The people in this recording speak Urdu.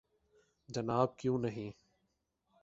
جناب کیوں نہیں